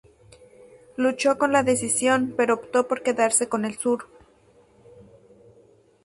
Luchó con la decisión, pero optó por quedarse con el Sur.